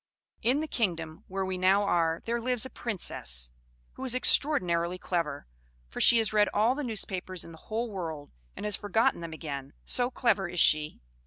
"In the kingdom where we now are there lives a Princess, who is extraordinarily clever; for she has read all the newspapers in the whole world, and has forgotten them again so clever is she.